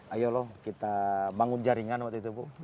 ayo loh kita bangun jaringan waktu itu bu